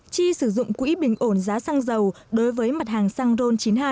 chi sử dụng quỹ bình ổn giá xăng dầu đối với mặt hàng xăng ron chín mươi hai